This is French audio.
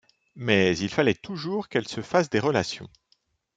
Mais il fallait toujours qu’elle se fasse des relations.